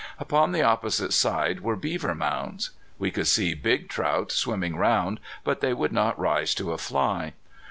Upon the opposite side were beaver mounds. We could see big trout swimming round, but they would not rise to a fly.